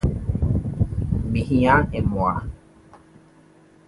Mehia mmoa